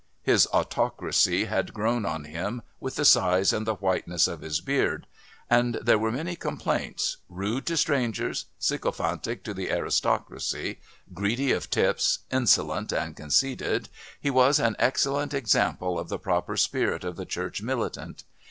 His autocracy had grown on him with the size and the whiteness of his beard, and there were many complaints rude to strangers, sycophantic to the aristocracy, greedy of tips, insolent and conceited, he was an excellent example of the proper spirit of the Church Militant.